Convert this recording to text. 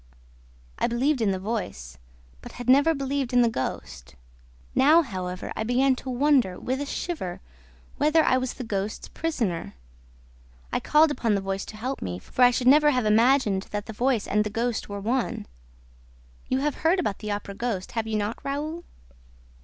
I believed in the voice, but had never believed in the ghost. Now, however, I began to wonder, with a shiver, whether I was the ghost's prisoner. I called upon the voice to help me, for I should never have imagined that the voice and the ghost were one. You have heard about the Opera ghost, have you not, Raoul?"